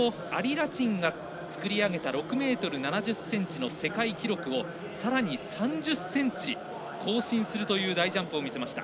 ラチンが作り上げた６ｍ７０ｃｍの世界記録をさらに３０ｃｍ更新するという大ジャンプを見せました。